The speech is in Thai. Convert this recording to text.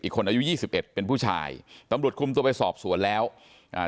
คนอายุยี่สิบเอ็ดเป็นผู้ชายตำรวจคุมตัวไปสอบสวนแล้วอ่า